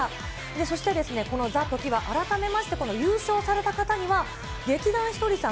そして、このＴＨＥＴＯＫＩＷＡ、改めまして、優勝された方には劇団ひとりさん